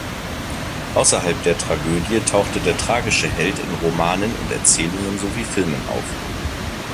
Außerhalb der Tragödie taucht der tragische Held in Romanen und Erzählungen sowie Filmen auf.